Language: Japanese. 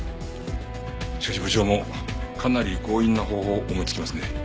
しかし部長もかなり強引な方法を思いつきますね。